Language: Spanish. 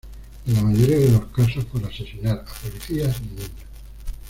En la mayoría de los casos por asesinar a policías y niños.